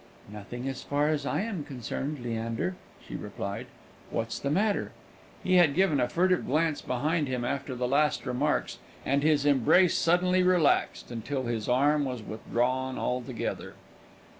"Nothing, as far as I am concerned, Leander," she replied. "What's the matter?" He had given a furtive glance behind him after the last remarks, and his embrace suddenly relaxed, until his arm was withdrawn altogether.